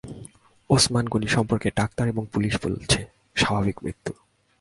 ওসমান গনি সম্পর্কে ডাক্তার এবং পুলিশ বলছে-স্বাভাবিক মৃত্যু।